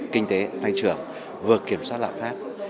kinh tế tăng trưởng vừa kiểm soát lạng phát